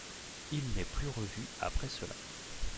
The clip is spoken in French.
Il n'est plus revu après cela.